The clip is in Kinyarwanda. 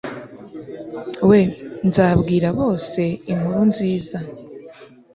we, nzabwira bose inkuru nziza